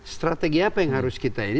strategi apa yang harus kita ini